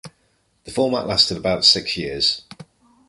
The format lasted about six years.